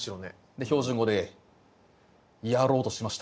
で標準語でやろうとしました。